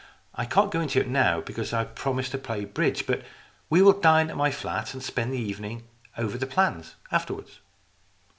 I can't go into it now, because I've promised to play bridge. But we will dine at my flat and spend the evening over the plans afterwards."